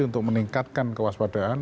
untuk meningkatkan kewaspadaan